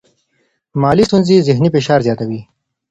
مالي ستونزې ذهنی فشار زیاتوي.